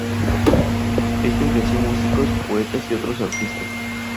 Este influenció músicos, poetas y otros artistas.